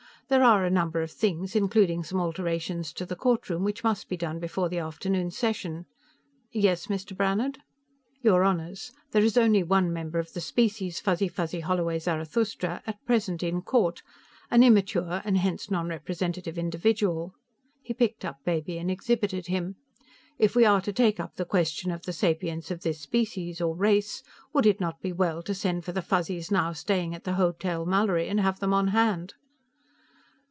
There are a number of things, including some alterations to the courtroom, which must be done before the afternoon session.... Yes, Mr. Brannhard?" "Your Honors, there is only one member of the species Fuzzy fuzzy holloway zarathustra at present in court, an immature and hence nonrepresentative individual." He picked up Baby and exhibited him. "If we are to take up the question of the sapience of this species, or race, would it not be well to send for the Fuzzies now staying at the Hotel Mallory and have them on hand?"